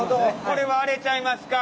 これはアレちゃいますか？